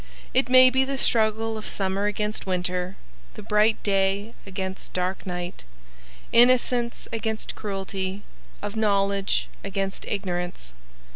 It may be the struggle of Summer against Winter, the bright Day against dark Night, Innocence against Cruelty, of Knowledge against Ignorance.